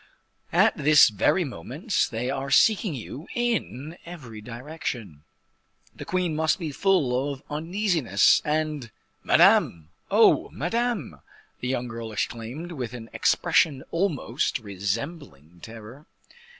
At this very moment, they are seeking you in every direction. The queen must be full of uneasiness; and Madame oh, Madame!" the young girl exclaimed, with an expression almost resembling terror.